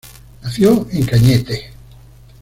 Nació en Cañete.